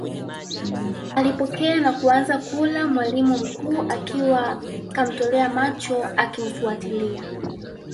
Alipokea na kuanza kula mwalimu mkuu akiwa kamtolea macho akimfuatilia